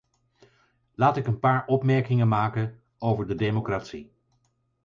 Laat ik een paar opmerkingen maken over de democratie.